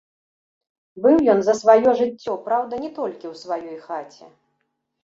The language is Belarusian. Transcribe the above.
Быў ён за сваё жыццё, праўда, не толькі ў сваёй хаце.